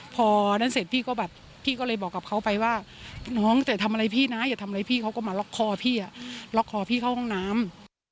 พอนั้นเสร็จพี่ก็แบบพี่ก็เลยบอกกับเขาไปว่าน้องจะทำอะไรพี่นะอย่าทำอะไรพี่เขาก็มาล็อกคอพี่ล็อกคอพี่เข้าห้องน้ำ